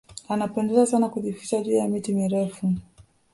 Anapendelea sana kujificha juu ya miti mirefu